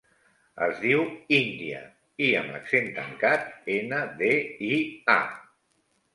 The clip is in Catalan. Es diu Índia: i amb accent tancat, ena, de, i, a.